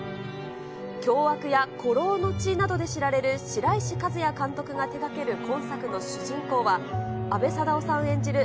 凶悪や孤老の血などで知られる白石和彌監督が手がける今作の主人公は、阿部サダヲさん演じる